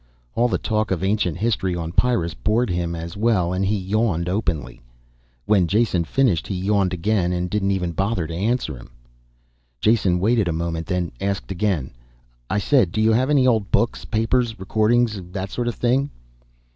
All the talk of ancient history on Pyrrus bored him as well and he yawned openly. When Jason finished he yawned again and didn't even bother to answer him. Jason waited a moment, then asked again. "I said do you have any old books, papers, records or that sort of thing?"